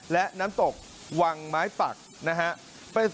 และน้ำตกวังไม้ปักนะฮะ